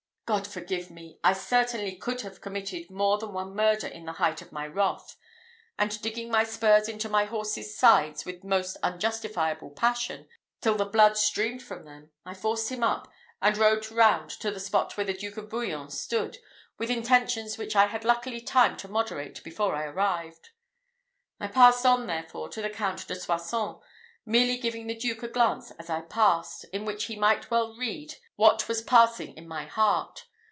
God forgive me! I certainly could have committed more than one murder in the height of my wrath; and, digging my spurs into my horse's sides with most unjustifiable passion, till the blood streamed from them, I forced him up, and rode round to the spot where the Duke of Bouillon stood, with intentions which I had luckily time to moderate before I arrived. I passed on, therefore, to the Count de Soissons, merely giving the duke a glance as I passed, in which he might well read what was passing in my heart.